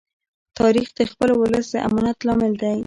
تاریخ د خپل ولس د امانت لامل دی.